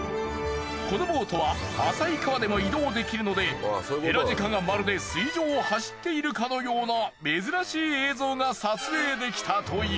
このボートは浅い川でも移動できるのでヘラジカがまるで水上を走っているかのような珍しい映像が撮影できたという。